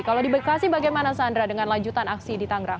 kalau di bekasi bagaimana sandra dengan lanjutan aksi di tangerang